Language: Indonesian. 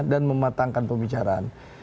dan mematangkan pembicaraan